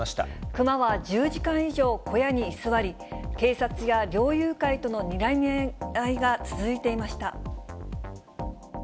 クマは１０時間以上小屋に居座り、警察や猟友会とのにらみ合いが続いていました。